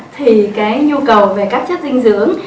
thì cái nhu cầu về các chất dinh dưỡng